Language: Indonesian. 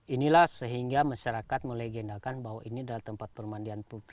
inilah sehingga masyarakat melegendakan bahwa ini adalah tempat permandian putih